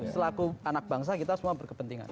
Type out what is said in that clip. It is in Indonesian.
selaku anak bangsa kita semua berkepentingan